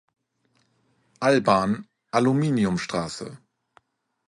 Alban», «Aluminium-St.